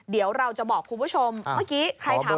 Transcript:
เดี๋ยวเราจะบอกคุณผู้ชมเมื่อกี้ใครถาม